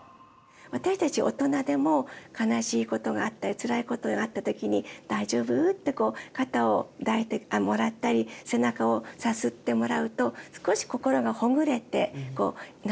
私たち大人でも悲しいことがあったりつらいことがあった時に「大丈夫？」ってこう肩を抱いてもらったり背中をさすってもらうと少し心がほぐれて何でも言える。